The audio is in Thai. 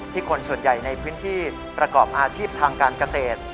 คนส่วนใหญ่ในพื้นที่ประกอบอาชีพทางการเกษตร